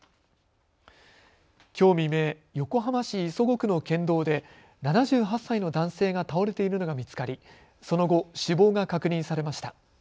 きょう未明、横浜市磯子区の県道で７８歳の男性が倒れているのが見つかりその後、死亡が確認されました。